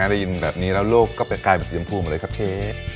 ได้ยินแบบนี้แล้วโลกก็ไปกลายเป็นสีชมพูมาเลยครับเชฟ